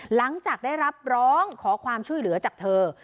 หลังจากได้รับร้องขอความช่วยเหลือจากเธอ